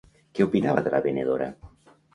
Què opinava de la venedora?